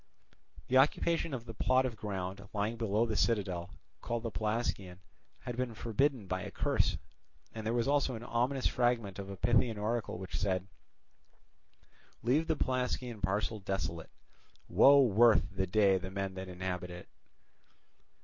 The occupation of the plot of ground lying below the citadel called the Pelasgian had been forbidden by a curse; and there was also an ominous fragment of a Pythian oracle which said: Leave the Pelasgian parcel desolate, Woe worth the day that men inhabit it!